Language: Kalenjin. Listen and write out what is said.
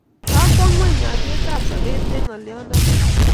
kokwa ngweny alietab sopet eng' ngoliondoni